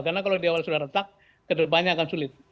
karena kalau di awal sudah retak kedepannya akan sulit